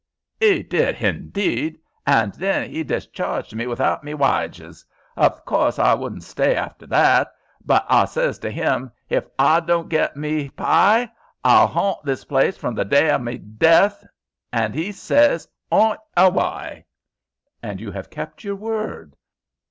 "'E did, hindeed; hand then 'e discharged me without me waiges. Hof course h'I wouldn't sty after that; but h'I says to 'im, 'Hif I don't get me py, h'I'll 'aunt this place from the dy of me death;' hand 'e says, ''Aunt awy.'" "And you have kept your word."